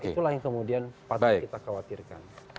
itulah yang kemudian patut kita khawatirkan